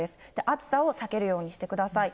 暑さを避けるようにしてください。